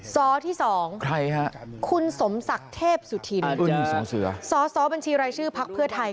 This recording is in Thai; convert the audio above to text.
ซที่๒คุณสมศักดิ์เทพสุทินซซบัญชีรายชื่อภักดิ์เพื่อไทย